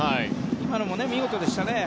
今のも見事でしたね。